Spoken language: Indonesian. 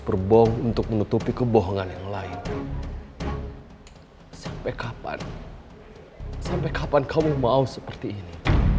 berbong untuk menutupi kebohongan yang lain sampai kapan sampai kapan kamu mau seperti ini